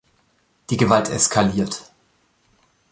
Die Gewalt eskaliert.